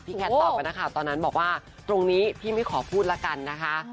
พี่แคทตอบไปนะคะตอนนั้นบอกว่าตรงนี้พี่ไม่ขอพูดละกันนะคะ